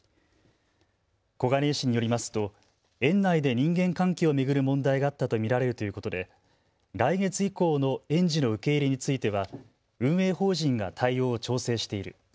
小金井市によりますと園内で人間関係を巡る問題があったと見られるということで来月以降の園児の受け入れについては運営法人が対応を調整している。